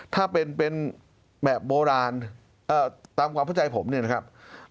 ถ้าเป็นแบบโบราณตามความเข้าใจผมครับ